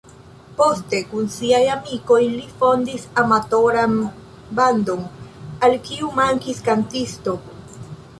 Poste, kun siaj amikoj, li fondis amatoran bandon, al kiu mankis kantisto.